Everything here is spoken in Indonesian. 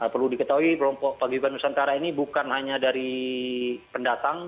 perlu diketahui kelompok pagi nusantara ini bukan hanya dari pendatang